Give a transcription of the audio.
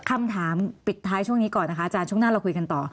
คำถามปิดท้ายช่วงนี้ก่อนนะคะอาจารย์ช่วงหน้าเราคุยกันต่อ